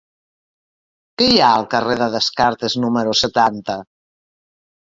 Què hi ha al carrer de Descartes número setanta?